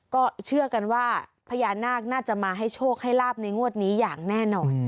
ก็เชื่อกันว่าพญานาคน่าจะมาให้โชคให้ลาบในงวดนี้อย่างแน่นอน